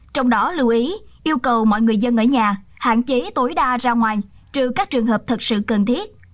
trong đó lưu ý yêu cầu mọi người dân ở nhà hạn chế tối đa ra ngoài trừ các trường hợp thật sự cần thiết